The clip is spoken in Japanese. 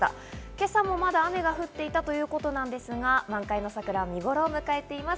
今朝もまだ雨が降っていたということなんですが、満開の桜は見頃を迎えています。